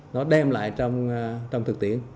nó đem lại trong thực tiễn